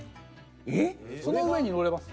その上に乗れます。